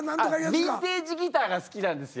ヴィンテージギターが好きなんですよ。